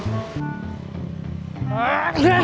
jangan lagi kencing